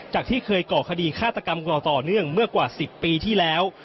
ที่เคยก่อคดีฆาตกรรมต่อเนื่องเมื่อกว่า๑๐ปีที่แล้ว